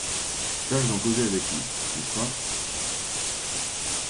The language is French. Tâche d’en causer avec lui, n’est-ce pas?